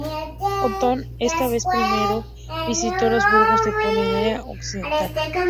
Otón esta vez primero visitó los burgos de Pomerania Occidental.